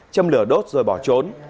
châm lửa đốt rồi bỏ trốn